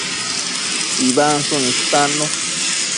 tsibansshun istanembi